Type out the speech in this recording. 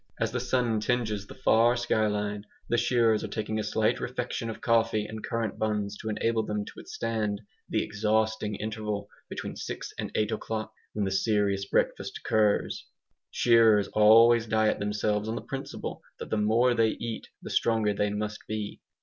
As the sun tinges the far skyline, the shearers are taking a slight refection of coffee and currant buns to enable them to withstand the exhausting interval between six and eight o'clock, when the serious breakfast occurs. Shearers always diet themselves on the principle that the more they eat the stronger they must be.